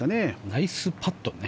ナイスパットだね。